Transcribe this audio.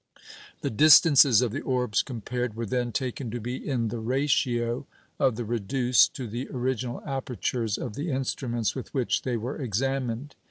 The distances of the orbs compared were then taken to be in the ratio of the reduced to the original apertures of the instruments with which they were examined.